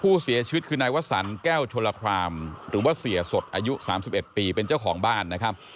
ผู้เสียชีวิตคือนายวสันแก้วชนละครามหรือว่าเสียสดอายุ๓๑ปีเป็นเจ้าของบ้านนะครับ